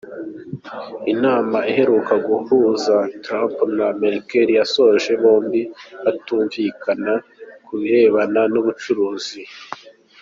Inama iheruka guhuza Trump na Merkel yasojwe bombi batumvikana ku birebana n’ubucuruzi.